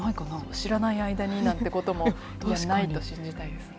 知らない間になんてこともないと信じたいですね。